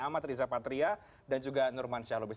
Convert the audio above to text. ahmad riza patria dan juga nurman syahlubis